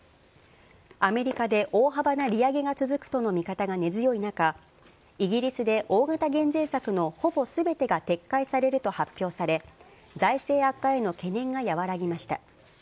アメリカで大幅な利上げが続くとの見方が根強い中、イギリスで大型減税策のほぼすべてが撤回されると発表され、財政悪化への懸念が和らぎました。